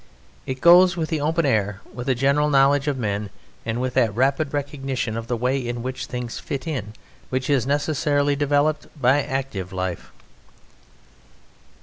It goes with the open air with a general knowledge of men and with that rapid recognition of the way in which things "fit in" which is necessarily developed by active life.